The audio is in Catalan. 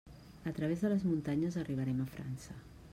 A través de les muntanyes arribarem a França.